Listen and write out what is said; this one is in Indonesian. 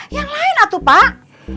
yang lain atuh pak